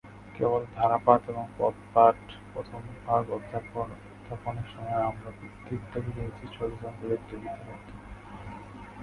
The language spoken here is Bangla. কেবল ধারাপাত এবং পদ্যপাঠ প্রথমভাগ অধ্যাপনের সময় আমার পিতৃত্বকে কিঞ্চিৎ সচেতন করিয়া তুলিতে হইত।